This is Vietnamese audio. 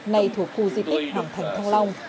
nay thuộc khu di tích hoàng thành thong long